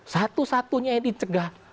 satu satunya yang dicegah